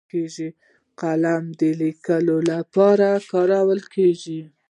قلم د لیکلو لپاره کارېږي